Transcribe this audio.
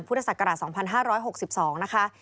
พุทธศักราช๒๕๖๒นะคะ